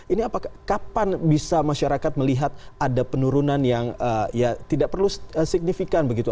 ini kapan bisa masyarakat melihat ada penurunan yang ya tidak perlu signifikan begitu